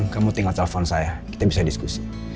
kamu tinggal telepon saya kita bisa diskusi